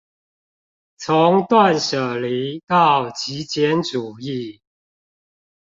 從斷捨離到極簡主義